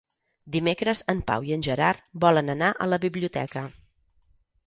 Dimecres en Pau i en Gerard volen anar a la biblioteca.